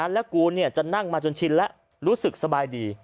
แล้วกูจะนั่งมาจนชินแล้วรู้สึกสบายดี